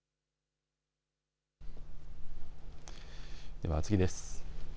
では次です。